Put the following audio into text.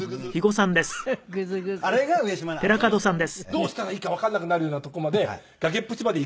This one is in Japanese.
どうしたらいいかわかんなくなるようなとこまで崖っぷちまで行くのが上島竜兵。